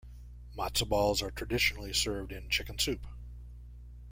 Matzah balls are traditionally served in chicken soup.